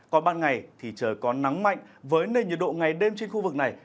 còn ban ngày thì trời có nắng mạnh với nền nhiệt độ ngày đêm trên khu vực này